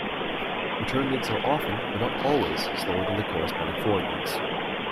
Return links are often, but not always, slower than the corresponding forward links.